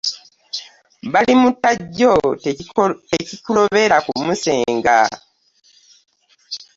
Balimuttajjo tekikulobera kumusenga.